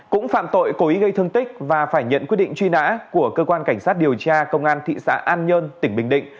cũng phạm tội cố ý gây thương tích và phải nhận quyết định truy nã của cơ quan cảnh sát điều tra công an thị xã an nhơn tỉnh bình định